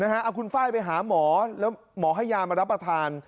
เออนะฮะเอาคุณฝ้ายไปหาหมอแล้วหมอให้ยามารับประทาน